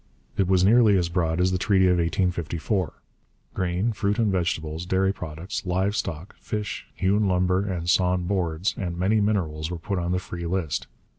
It was nearly as broad as the treaty of 1854. Grain, fruit and vegetables, dairy products, live stock, fish, hewn lumber and sawn boards, and many minerals were put on the free list.